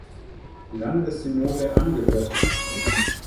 Landessynode angehörte.